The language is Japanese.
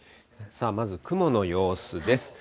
さあ、まず雲の様子です。